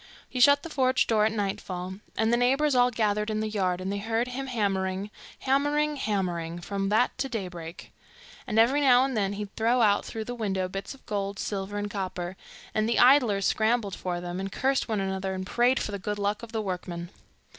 He shut the forge door at nightfall, and the neighbours all gathered in the yard, and they heard him hammering, hammering, hammering, from that to daybreak; and every now and then he'd throw out through the window bits of gold, silver, and copper; and the idlers scrambled for them, and cursed one another, and prayed for the good luck of the workman.